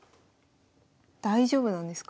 大丈夫なんですか？